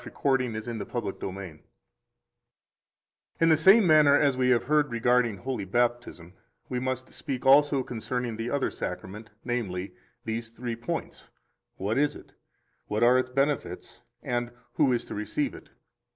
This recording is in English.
The Sacrament of the Altar 1 In the same manner as we have heard regarding Holy Baptism, we must speak also concerning the other Sacrament, namely, these three points: What is it? What are its benefits? and, Who is to receive it?